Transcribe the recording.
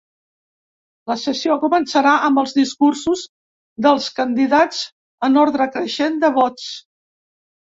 La sessió començarà amb els discursos dels candidats en ordre creixent de vots.